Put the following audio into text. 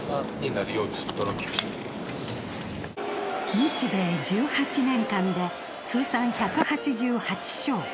日米１８年間で通算１８８勝。